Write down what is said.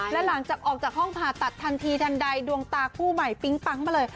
และหลังจากออกจากห้องผ่าตัดทันทีทันใดดวงตาคู่ใหม่ปิ๊งปั๊งมาเลย